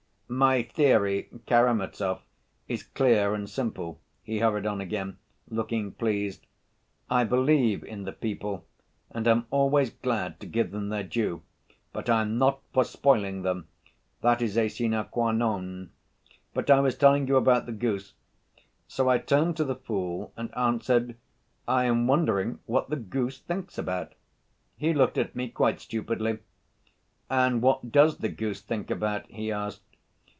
"My theory, Karamazov, is clear and simple," he hurried on again, looking pleased. "I believe in the people and am always glad to give them their due, but I am not for spoiling them, that is a sine qua non ... But I was telling you about the goose. So I turned to the fool and answered, 'I am wondering what the goose thinks about.' He looked at me quite stupidly, 'And what does the goose think about?' he asked.